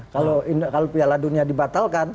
kalau piala dunia dibatalkan